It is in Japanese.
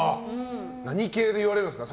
何系で言われるんですか？